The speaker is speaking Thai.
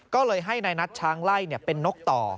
ก็เลยให้นายนัทช้างไล่เป็นนกต่อ